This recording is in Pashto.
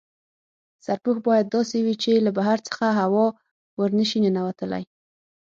سرپوښ باید داسې وي چې له بهر څخه هوا ور نه شي ننوتلای.